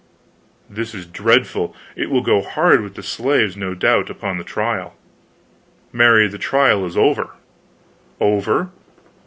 "This is dreadful. It will go hard with the slaves, no doubt, upon the trial." "Marry, the trial is over." "Over!"